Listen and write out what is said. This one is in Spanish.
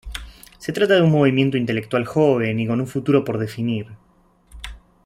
Se trata de un movimiento intelectual joven y con un futuro por definir.